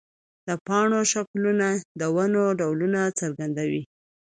د پاڼو شکلونه د ونو ډولونه څرګندوي.